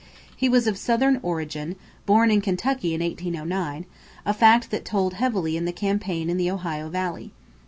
He was of Southern origin, born in Kentucky in 1809, a fact that told heavily in the campaign in the Ohio Valley.